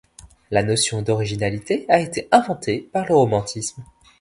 La notion d'originalité a été inventée par le romantisme.